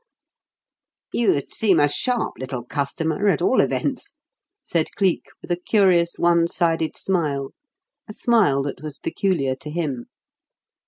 "You seem a sharp little customer, at all events," said Cleek with a curious one sided smile a smile that was peculiar to him.